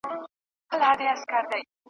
د هغه نوم یاد کړو